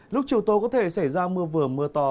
lúc chiều tối có thể xảy ra mưa vừa mưa to